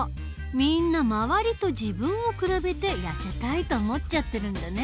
みんな周りと自分を比べてやせたいと思っちゃってるんだね。